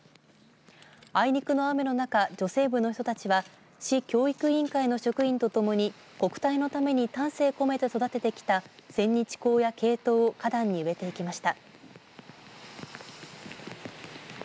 あいにくの雨の中女性部の人たちは市教育委員会の人たちとともに国体のために丹精込めて育ててきた千日紅やケイトウを花壇に植えていきました。